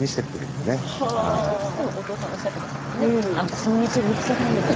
でも音尾さんもおっしゃってました。